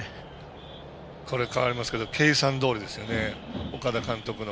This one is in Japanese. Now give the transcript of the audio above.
これ、代わりますけど計算どおりですよね、岡田監督。